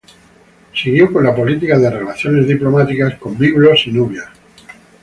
Siguió con la política de relaciones diplomáticas con Biblos y Nubia.